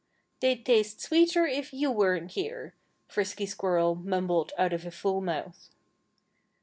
"They'd taste sweeter if you weren't here," Frisky Squirrel mumbled out of a full mouth.